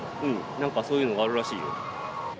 なんか、そういうのがあるらしいよ。